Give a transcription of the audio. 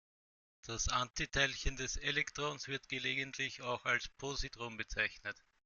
Das Antiteilchen des Elektrons wird gelegentlich auch als Positron bezeichnet.